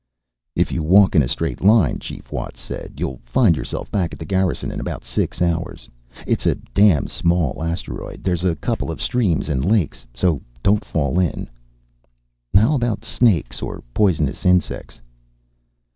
"If you walk in a straight line," Chief Watts said, "you'll find yourself back at the Garrison in about six hours. It's a damn small asteroid. There's a couple of streams and lakes, so don't fall in." "How about snakes or poisonous insects?"